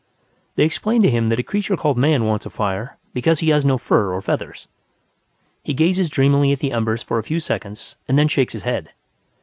They explain to him that a creature called Man wants a fire, because he has no fur or feathers. He gazes dreamily at the embers for a few seconds, and then shakes his head.